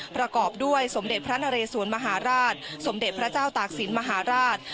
ประกอบด้วยสมเด็จพระนเรสวนมหาราชสมเด็จพระเจ้าตากศิลป์มหาราช